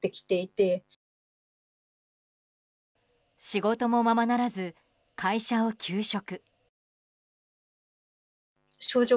仕事もままならず会社を休職。